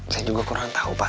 saya juga kurang tahu pak